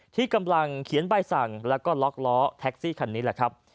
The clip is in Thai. ที่กำลังเขียนใบสั่งแล้วก็ล็อกล้อแท็กซี่คันนี้แหละครับ